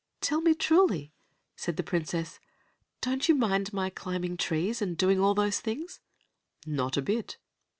"Tell me truly," said the Princess, "don't you mind my climbing trees and doing all those things?" "Not a bit."